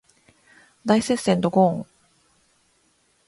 大接戦ドゴーーン